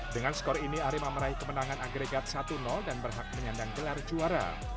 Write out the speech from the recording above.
dengan skor ini arema meraih kemenangan agregat satu dan berhak menyandang gelar juara